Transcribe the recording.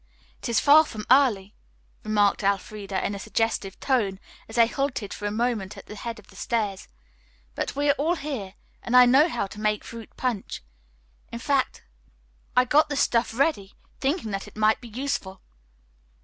"It is far from early," remarked Elfreda in a suggestive tone, as they halted for a moment at the head of the stairs, "but we are all here, and I know how to make fruit punch. In fact, I got the stuff ready, thinking that it might be useful!"